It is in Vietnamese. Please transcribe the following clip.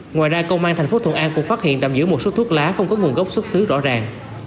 ngoài ra công an thành phố thuận an cũng phát hiện tạm giữ một số thuốc lá không có nguồn gốc xuất xứ rõ ràng